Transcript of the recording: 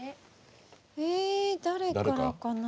え誰からかな？